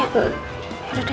ya udah deh